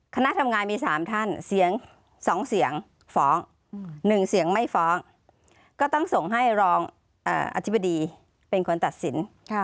คณะทำงานมี๓ท่านเสียง๒เสียงฟ้อง๑เสียงไม่ฟ้องก็ต้องส่งให้รองอธิบดีเป็นคนตัดสิน